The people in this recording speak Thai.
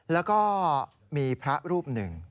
แล้วก็มีพระรูปหนึ่ง